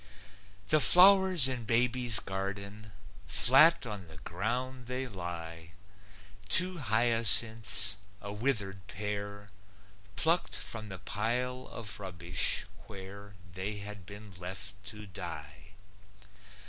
The flowers in baby's garden, Flat on the ground they lie, Two hyacinths, a withered pair, Plucked from the pile of rubbish, where They had been left to die.